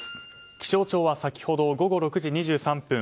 気象庁は先ほど、午後６時２３分